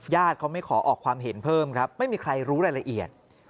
เขาไม่ขอออกความเห็นเพิ่มครับไม่มีใครรู้รายละเอียด